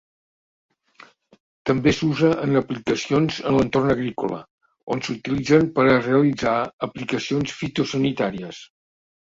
També s'usa en aplicacions en l'entorn agrícola, on s'utilitzen per a realitzar aplicacions fitosanitàries.